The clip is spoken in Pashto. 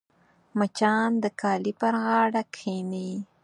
مچان د کالي پر غاړه کښېني